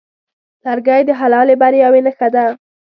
لرګی د حلالې بریاوې نښه ده.